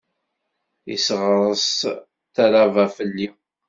Isseɣṛes talaba fell-i.